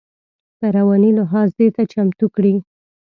په رواني لحاظ دې ته چمتو کړي.